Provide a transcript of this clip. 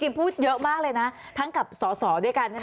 จริงพูดเยอะมากเลยนะทั้งกับศศด้วยกัน